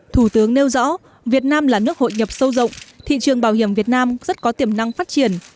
thủ tướng nêu rõ việt nam là nước hội nhập sâu rộng thị trường bảo hiểm việt nam rất có tiềm năng phát triển